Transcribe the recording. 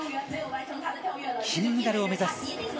金メダルを目指す。